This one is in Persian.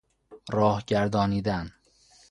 راه گردانیدن